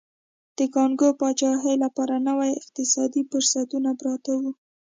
د کانګو پاچاهۍ لپاره نوي اقتصادي فرصتونه پراته وو.